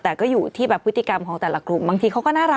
แต่ก็อยู่ที่แบบพฤติกรรมของแต่ละกลุ่มบางทีเขาก็น่ารัก